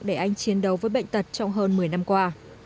để anh chiến đấu với bệnh tật trong hơn một mươi năm qua